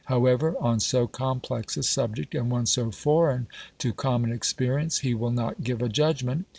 However, on so complex a subject, and one so foreign to common experience, he will not give a judgment.